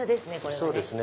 そうですね。